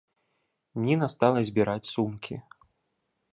Ніна стала збіраць сумкі.